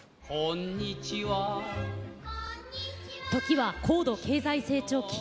時は、高度経済成長期。